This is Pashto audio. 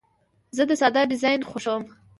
زه د ساده ډیزاین خوښوم.